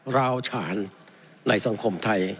ราวฉานในสังคมไทย